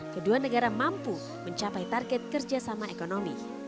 kedua negara mampu mencapai target kerjasama ekonomi